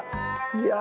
いや。